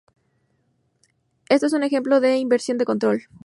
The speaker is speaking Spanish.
Esto es un ejemplo de inversión de control.